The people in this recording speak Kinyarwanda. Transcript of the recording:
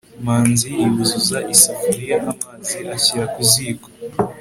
manzi yuzuza isafuriya amazi ayashyira ku ziko